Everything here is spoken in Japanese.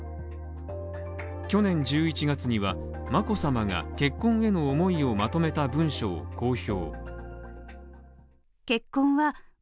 去年１１月には眞子さまが結婚への思いをまとめた文書を公表。